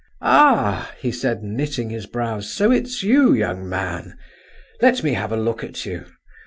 "Aha!" he said, knitting his brows," so it's you, young man. Let me have a look at you.